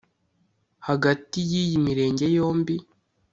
hagati y’iyi mirenge yombi